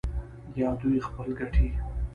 یا دوی خپلې ګټې